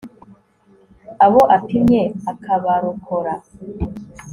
abo apimye akabarokora